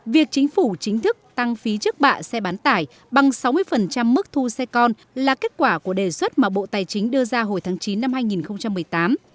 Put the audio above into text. việc chính phủ chính thức tăng phí trước bạ xe bán tải bằng sáu mươi mức thu xe con là kết quả của đề xuất mà bộ tài chính đưa ra hồi tháng chín năm hai nghìn một mươi tám